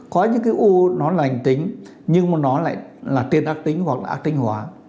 có những cái u nó là lình tính nhưng mà nó lại là tiên ác tính hoặc là ác tính hóa